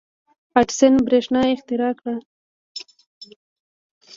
• اډېسن برېښنا اختراع کړه.